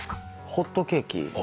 ホットケーキ。